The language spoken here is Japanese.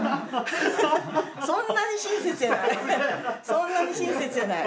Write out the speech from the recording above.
そんなに親切じゃない。